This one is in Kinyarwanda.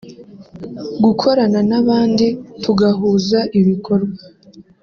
“Gukorana n’abandi tugahuza ibikorwa